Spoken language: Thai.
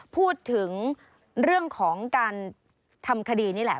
พูดถึงเรื่องของการทำคดีนี่แหละ